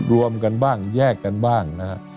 รวมกันบ้างแยกกันบ้างนะฮะ